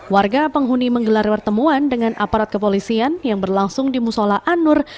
warga penghuni menggelar pertemuan dengan aparat kepolisian yang berlangsung di musola anur